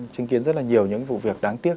chứng kiến rất là nhiều những vụ việc đáng tiếc